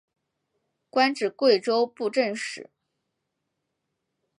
官至贵州布政使。